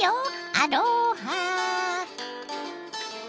アロハ。